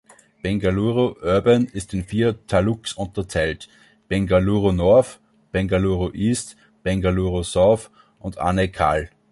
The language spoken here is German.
Bengaluru Urban ist in vier Taluks unterteilt: Bengaluru North, Bengaluru East, Bengaluru South und Anekal.